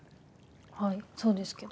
はいそうですけど。